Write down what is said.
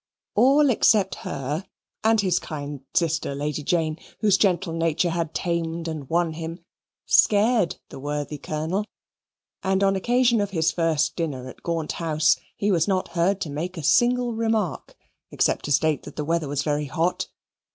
All except her and his kind sister Lady Jane, whose gentle nature had tamed and won him, scared the worthy Colonel, and on occasion of his first dinner at Gaunt House he was not heard to make a single remark except to state that the weather was very hot.